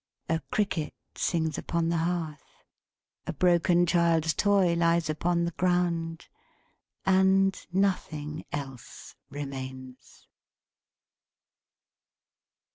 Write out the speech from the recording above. A Cricket sings upon the Hearth; a broken child's toy lies upon the ground; and nothing else remains.